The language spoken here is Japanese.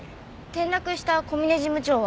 転落した小嶺事務長は？